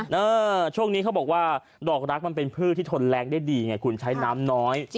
ช่วงนี้เขาบอกว่าดอกรักมันเป็นพืชที่ทนแรงได้ดีไงคุณใช้น้ำน้อย